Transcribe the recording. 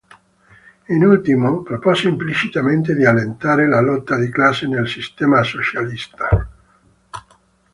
In ultimo, propose implicitamente di "allentare" la lotta di classe nel sistema socialista.